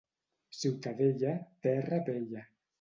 Ciutadella, terra bella.